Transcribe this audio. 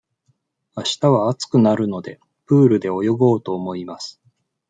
あしたは暑くなるので、プールで泳ごうと思います。